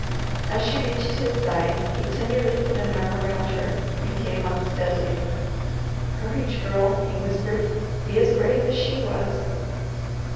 As she reached his side, he tenderly put an arm around her, and came on steadily. "Courage Girl!" he whispered. "Be as brave as she was!"